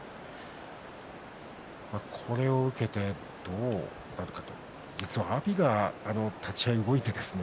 これを受けてどうなるかという実は阿炎は立ち合い動いてですね